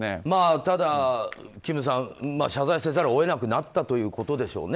ただ、金さん謝罪せざるを得なくなったということでしょうね。